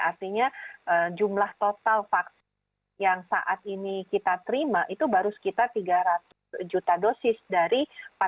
artinya jumlah total vaksin yang saat ini kita terima itu baru sekitar tiga ratus juta dosis dari empat ratus dua puluh delapan